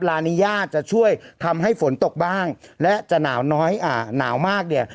ลานิยาจะช่วยทำให้ฝนตกบ้างและจะหนาวน้อยอ่าหนาวมากเนี่ย